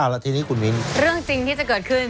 แล้วทีนี้คุณมิ้นเรื่องจริงที่จะเกิดขึ้น